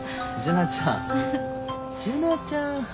樹奈ちゃん。